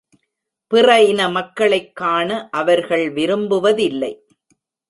பிற இன மக்களைக் காண அவர்கள் விரும்புவதில்லை.